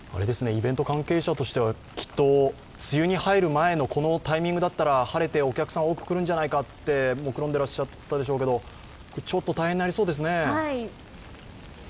イベント関係者としてはきっと梅雨に入る前のこのタイミングだったら晴れてお客さん多く来るんじゃないかってもくろんでいらっしゃったでしょうけど、ちょっと大変になりそうですね。